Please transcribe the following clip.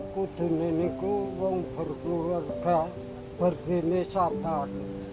kudin ini ku mau berkeluarga berdiri sabar